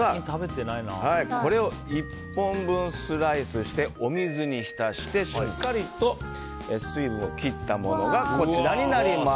これを１本分、スライスしてお水に浸して、しっかりと水分を切ったものがこちらになります。